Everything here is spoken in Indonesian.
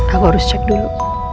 aku harus cek dulu